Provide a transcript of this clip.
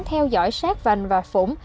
theo dõi sát vành và phủm